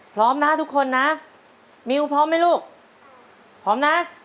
พร้อมนะทุกคนนะมิวพร้อมไหมลูกพร้อมนะ